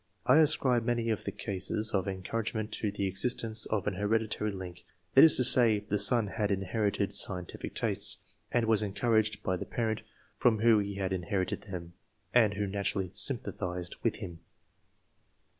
I ascribe many of the cases of encouragement to the existence of an hereditajy link; that is to say, the son had inherited scientific tastes, and was encouraged by the parent from whom he had inherited them, and who naturally sympathized with him.